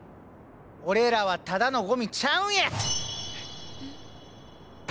俺らはただのゴミちゃうんや！